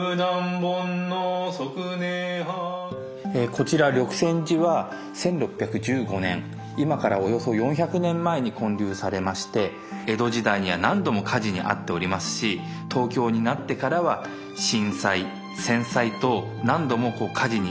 こちら緑泉寺は１６１５年今からおよそ４００年前に建立されまして江戸時代には何度も火事に遭っておりますし東京になってからは震災戦災と何度も火事に遭っております。